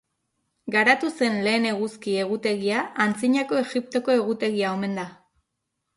Garatu zen lehen eguzki egutegia Antzinako Egiptoko egutegia omen da.